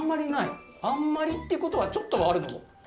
あんまりってことはちょっとはあるの？